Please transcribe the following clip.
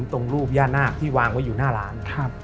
ตรงรูปย่านาคที่วางไว้อยู่หน้าร้าน